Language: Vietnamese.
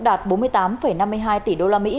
đạt bốn mươi tám năm mươi hai tỷ usd